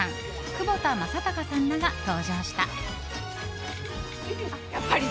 窪田正孝さんらが登場した。